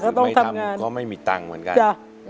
ถ้าไม่ทำก็ไม่มีตังค์เหมือนกัน